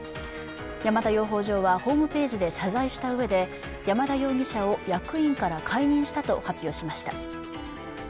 山田養蜂場はホームページで謝罪したうえで山田容疑者を役員から解任したと発表しました。